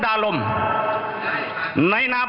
ดูครับ